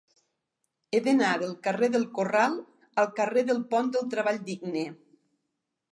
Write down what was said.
He d'anar del carrer del Corral al carrer del Pont del Treball Digne.